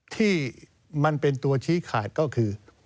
ที่มันเป็นตัวชี้ขาดก็คือ